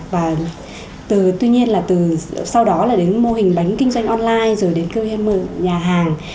và từ tuy nhiên là từ sau đó là đến mô hình bánh kinh doanh online rồi đến kêu em nhà hàng